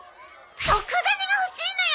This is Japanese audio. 特ダネが欲しいのよ！